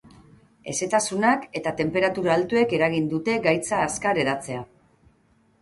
Hezetasunak eta tenperatura altuek eragin dute gaitza azkar hedatzea.